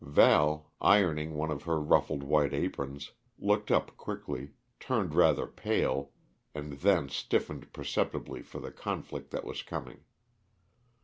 Val, ironing one of her ruffled white aprons, looked up quickly, turned rather pale, and then stiffened perceptibly for the conflict that was coming.